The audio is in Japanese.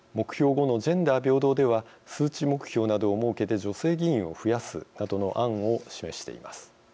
５のジェンダー平等では数値目標などを設けて女性議員を増やすなどの案を示しています。